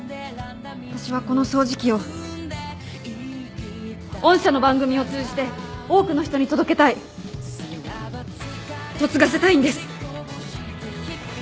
私はこの掃除機を御社の番組を通じて多くの人に届けたい嫁がせたいんです。